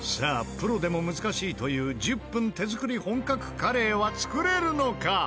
プロでも難しいという１０分手作り本格カレーは作れるのか？